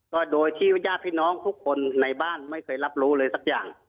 ก็โดยที่ญาติพี่น้องทุกคนในบ้านไม่เคยรับรู้เลยสักอย่าง